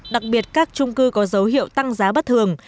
đặc biệt các trung cư có dấu hiệu tăng giá bất thường